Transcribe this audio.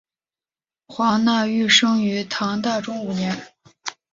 黄讷裕生于唐大中五年。